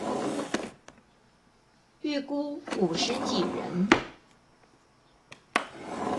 預估五十幾人